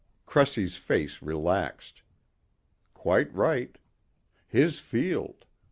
Cressy's face relaxed. Quite right. His field.